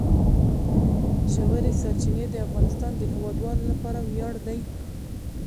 ژورې سرچینې د افغانستان د هیوادوالو لپاره ویاړ دی.